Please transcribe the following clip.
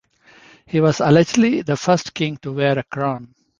He was allegedly the first king to wear a crown.